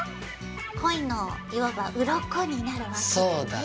コイのいわばうろこになるわけだね。